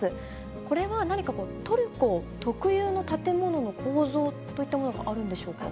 これは何か、トルコ特有の建物の構造といったものがあるんでしょうか。